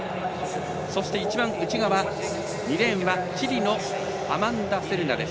そして一番内側２レーンはチリのアマンダ・セルナです。